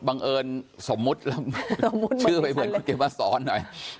บังเอิญสมมุติชื่อไปเหมือนคุณเขียนมาสอนหน่อย